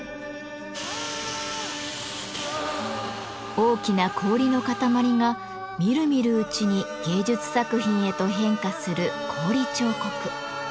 大きな氷の塊がみるみるうちに芸術作品へと変化する氷彫刻。